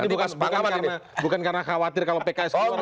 ini bukan karena khawatir kalau pks keluar